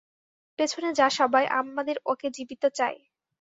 পেছনে যা সবাই, আমাদের ওকে জীবিত চাই।